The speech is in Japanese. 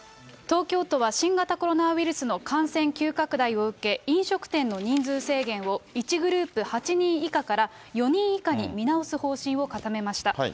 東京都は新型コロナウイルスの感染急拡大を受け、飲食店の人数制限を１グループ８人以下から、４人以下に見直す方針を固めました。